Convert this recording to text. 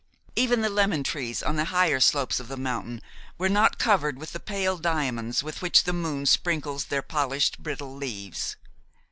Even the lemon trees on the higher slopes of the mountain were not covered with the pale diamonds with which the moon sprinkles their polished, brittle leaves.